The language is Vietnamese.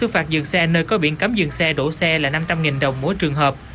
hành vi cấm dừng xe đổ xe là năm trăm linh nghìn đồng mỗi trường hợp